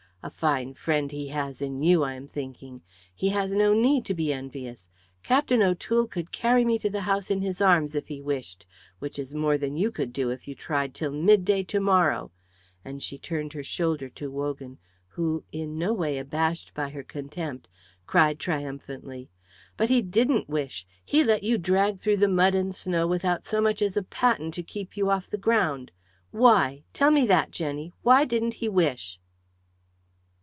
"A fine friend he has in you, I am thinking. He has no need to be envious. Captain O'Toole could carry me to the house in his arms if he wished, which is more than you could do if you tried till midday to morrow," and she turned her shoulder to Wogan, who, in no way abashed by her contempt, cried triumphantly, "But he didn't wish. He let you drag through the mud and snow without so much as a patten to keep you off the ground. Why? Tell me that, Jenny! Why didn't he wish?"